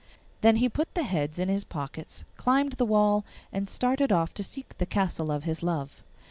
Then he put the heads in his pockets, climbed the wall, and started off to seek the castle of his love.